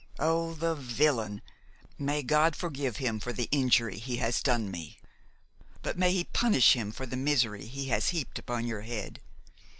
Oh! the villain! may God forgive him for the injury he has done me! but may He punish him for the misery he has heaped upon your head!